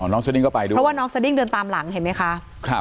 เพราะว่าน้องสดิ้งเดินตามหลังเห็นไหมคะ